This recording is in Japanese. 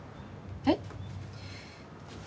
えっ？